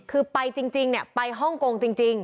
คือไปจริงเนี่ยไปฮ่องกงจริง